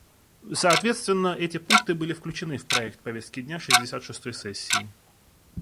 Соответственно, эти пункты были включены в проект повестки дня шестьдесят шестой сессии.